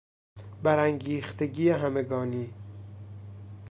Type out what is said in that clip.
برانگیختگی همگانی